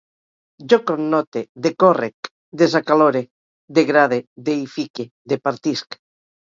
Jo connote, decórrec, desacalore, degrade, deïfique, departisc